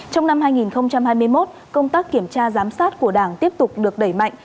trong năm hai nghìn hai mươi một công tác kiểm tra giám sát của đảng tiếp tục được đẩy mạnh